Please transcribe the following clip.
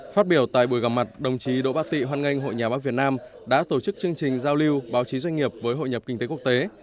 phát biểu tại buổi gặp mặt đồng chí đỗ bá tị hoan nghênh hội nhà báo việt nam đã tổ chức chương trình giao lưu báo chí doanh nghiệp với hội nhập kinh tế quốc tế